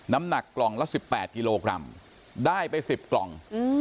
น้ำหนักกล่องละ๑๘กิโลกรัมได้ไป๑๐กล่อง